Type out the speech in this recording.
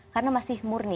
karena masih murni